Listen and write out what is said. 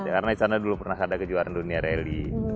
karena di sana dulu pernah ada kejuaraan dunia rally